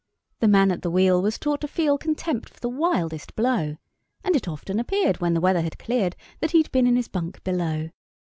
The man at the wheel was taught to feel Contempt for the wildest blow, And it often appeared, when the weather had cleared, That he'd been in his bunk below.